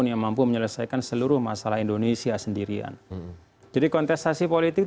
yang mampu menyelesaikan seluruh masalah indonesia sendirian jadi kontestasi politik